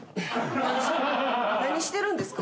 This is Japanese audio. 何してるんですか？